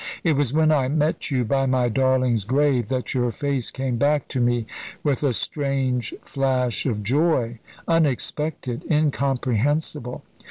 It was when I met you by my darling's grave that your face came back to me with a strange flash of joy, unexpected, incomprehensible.